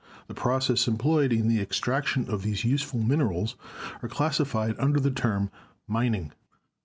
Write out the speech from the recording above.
The processes employed in the extraction of these useful min erals are classified under the term "Mining."